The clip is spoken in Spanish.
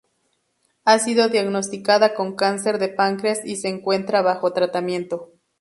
Ha sido diagnosticada con cáncer de páncreas y se encuentra bajo tratamiento.